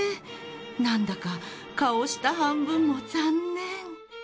なんだか顔下半分も残念。